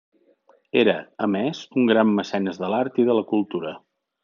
Era, a més, un gran mecenes de l'art i de la cultura.